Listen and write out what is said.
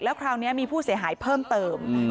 แล้วคราวเนี้ยมีผู้เสียหายเพิ่มเติมอืม